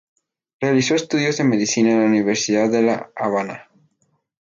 Realizó estudios de Medicina en la Universidad de La Habana.